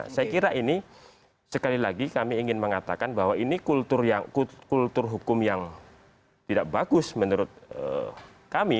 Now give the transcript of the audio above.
saya kira ini sekali lagi kami ingin mengatakan bahwa ini kultur hukum yang tidak bagus menurut kami